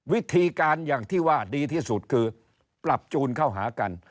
วิธีการอย่างที่ว่าดีที่สุดคือปรับจูนเข้าหากัน